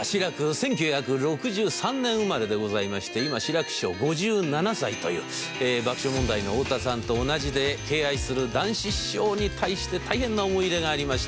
１９６３年生まれでございまして今志らく師匠５７歳という爆笑問題の太田さんと同じで敬愛する談志師匠に対して大変な思い入れがありまして